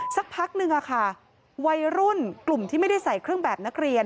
สักพักนึงวัยรุ่นกลุ่มที่ไม่ได้ใส่เครื่องแบบนักเรียน